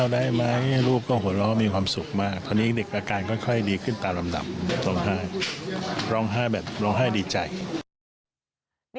ดีแล้วค่ะคุณผู้ชม